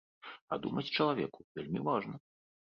А думаць чалавеку вельмі важна.